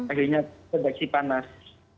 akhirnya terdeksi panas